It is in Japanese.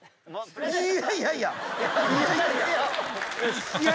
いやいやいや。